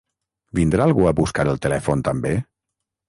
Vindrà algú a buscar el telèfon també?